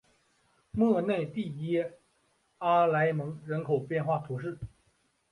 莫内蒂耶阿莱蒙人口变化图示